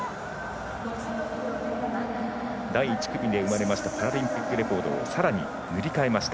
第１組で生まれましたパラリンピックレコードをさらに塗り替えました。